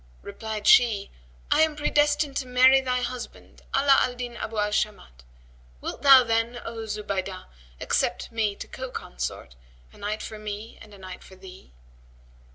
Replied she, 'I am predestined to marry thy husband, Ala al Din Abu al Shamat: wilt thou then, O Zubaydah, accept me to co consort, a night for me and a night for thee?'